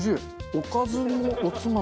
おかずもおつまみもだ。